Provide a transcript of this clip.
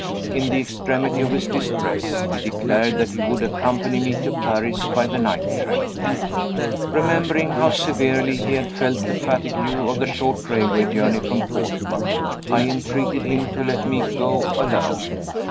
In the extremity of his distress, he declared that he would accompany me to Paris by the night train. Remembering how severely he had felt the fatigue of the short railway journey from Portsmouth, I entreated him to let me go alone.